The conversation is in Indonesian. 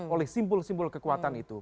oleh simbol simbol kekuatan itu